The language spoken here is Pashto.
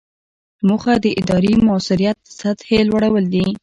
موخه د ادارې د مؤثریت د سطحې لوړول دي.